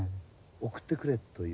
送ってくれという。